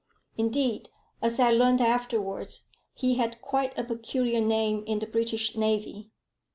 Indeed, as I learnt afterwards, he had quite a peculiar name in the British navy.